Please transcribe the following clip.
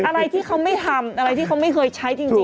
อะไรที่เขาไม่ทำอะไรที่เขาไม่เคยใช้จริง